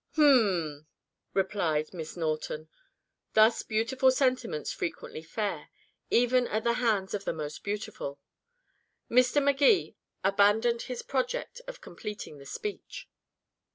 "U m m," replied Miss Norton. Thus beautiful sentiments frequently fare, even at the hands of the most beautiful. Mr. Magee abandoned his project of completing the speech.